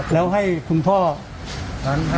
แล้วให้คุณพ่อ๕ล้านครับ